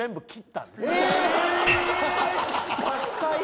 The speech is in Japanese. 伐採？